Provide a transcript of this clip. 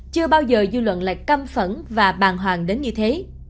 chưa bao giờ dư luận lại căm phẫn và bàng hoàng đến như thế